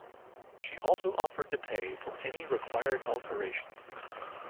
She also offered to pay for any required alterations.